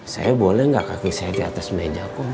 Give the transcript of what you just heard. saya boleh nggak kaki saya di atas meja kok